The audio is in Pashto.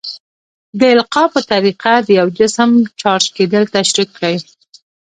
د القاء په طریقه د یو جسم چارج کیدل تشریح کړئ.